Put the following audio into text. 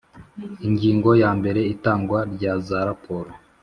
Ingingo ya mbere Itangwa rya za raporo